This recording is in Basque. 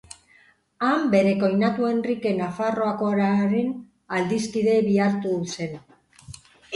Han bere koinatu Henrike Nafarroakoaren adiskide bihurtu zen.